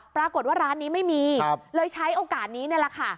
ปรากฏว่าร้านนี้ไม่มีเลยใช้โอกาสนี้นี่แหละค่ะ